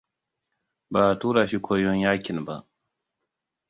Ba a tura shi koyon yaƙin ba.